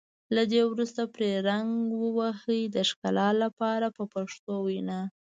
له دې وروسته پرې رنګ ووهئ د ښکلا لپاره په پښتو وینا.